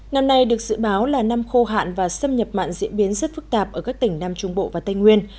năm nay được dự báo là năm khô hạn và xâm nhập mạng diễn biến rất phức tạp ở các tỉnh nam trung bộ và tây nguyên